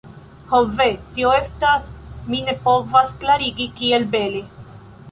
Ho ve... tio estas... mi ne povas klarigi kiel bele